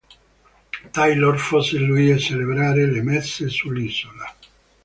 Taylor, fosse lui a celebrare le messe sull'isola.